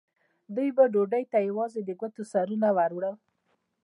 دوی به ډوډۍ ته یوازې د ګوتو سرونه وروړل.